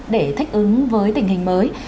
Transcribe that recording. để thích ứng với tình hình mới